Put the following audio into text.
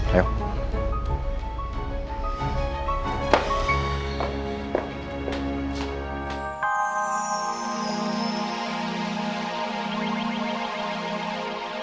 gapapa aku mau ke tempat lain